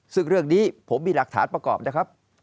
ซึ่งเรื่องนี้ผมมีหลักฐานประกอบนะครับ